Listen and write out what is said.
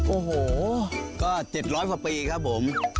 โอ้โหก็๗๐๐ประปรีครับผม